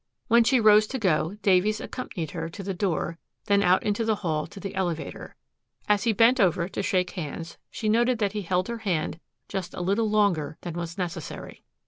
When she rose to go, Davies accompanied her to the door, then out into the hall to the elevator. As he bent over to shake hands, she noted that he held her hand just a little longer than was necessary.